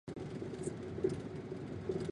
鼻端裸露。